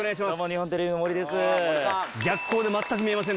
日本テレビの森です。